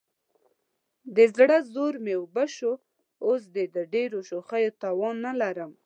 د زړه زور مې اوبه شوی، اوس دې د ډېرو شوخیو توان نه لرم.